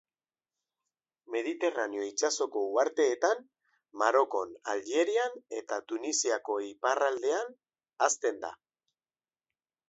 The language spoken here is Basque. Mediterraneo itsasoko uharteetan, Marokon, Aljerian eta Tunisiako iparraldean hazten da.